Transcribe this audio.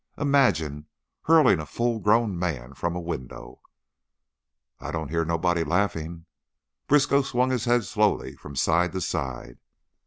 Imagine! Hurling a full grown man from a window " "I don't hear nobody laughing." Briskow swung his head slowly from side to side.